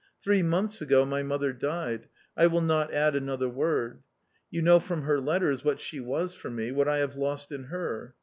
Three months ago my mother died ; I will not add another word. You know from her letters what she was for me, what I have lost in her.